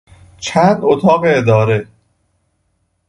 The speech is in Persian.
چند اتاق اداره